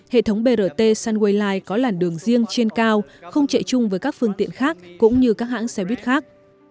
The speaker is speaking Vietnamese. hệ thống brt sunwei có làn đường riêng trên cao không chạy chung với các phương tiện khác cũng như các hãng xe buýt khác